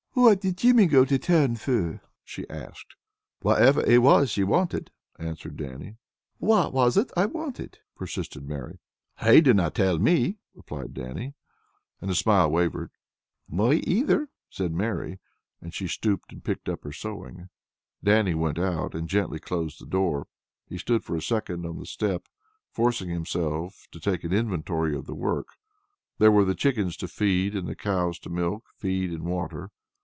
"What did Jimmy go to town for?" she asked. "Whatever it was ye wanted," answered Dannie. "What was it I wanted?" persisted Mary. "He dinna tell me," replied Dannie, and the smile wavered. "Me, either," said Mary, and she stooped and picked up her sewing. Dannie went out and gently closed the door. He stood for a second on the step, forcing himself to take an inventory of the work. There were the chickens to feed, and the cows to milk, feed, and water.